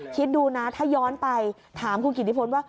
คิดดูนะถ้าย้อนไปถามคุณกิจนิพนธ์ว่า